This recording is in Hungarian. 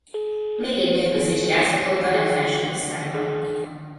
Még egy mérkőzést játszhatott a legfelső osztályban.